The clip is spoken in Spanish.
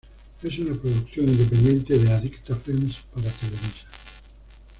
Es una producción independiente de Adicta Films para Televisa.